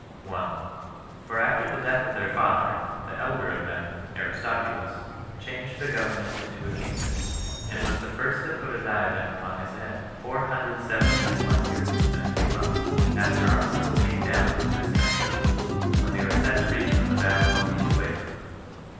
1. For after the death of their father, the elder of them, Aristobulus, changed the government into a kingdom, and was the first that put a diadem upon his head, four hundred seventy and one years and three months after our people came down into this country, when they were set free from the Babylonian slavery.